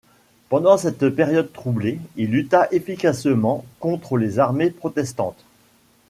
Pendant cette époque troublée, il lutta efficacement contre les armées protestantes.